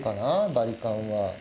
バリカンは。